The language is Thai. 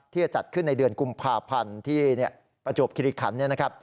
ที่จะจัดขึ้นในเดือนกุมภาพันธ์ที่ประจวบคิริขัน